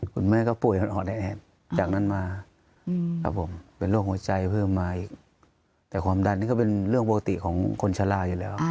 คุณแม่ก็ป่วยอ่อนแอดจากนั้นมาครับผมเป็นโรคหัวใจเพิ่มมาอีกแต่ความดันนี่ก็เป็นเรื่องปกติของคนชะลาอยู่แล้ว